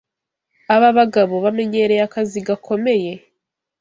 Aba bagabo bamenyereye akazi gakomeye.